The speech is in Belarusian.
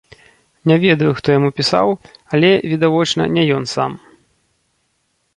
Не ведаю, хто яму пісаў, але, відавочна, не ён сам.